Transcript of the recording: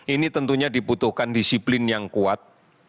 ini tentunya dibutuhkan disiplin yang kuat